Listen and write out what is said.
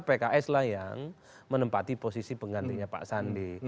pks lah yang menempati posisi penggantinya pak sandi